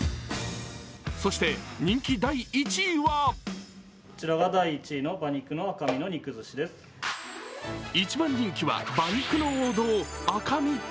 そして、人気第１位は一番人気は馬肉の王道、赤身。